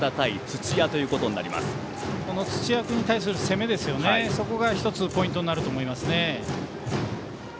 土屋君に対する攻めがポイントになると思いますね。